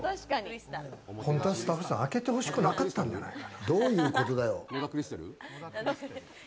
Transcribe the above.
本当はスタッフさん、開けて欲しくなかったんじゃないかな。